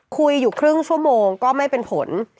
คุยอยู่ครึ่งชั่วโมงก็ไม่เป็นผล